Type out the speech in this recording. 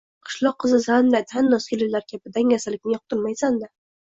Qishloq qizisan-da, tannoz kelinlar kabi dangasalikni yoqtirmaysan-da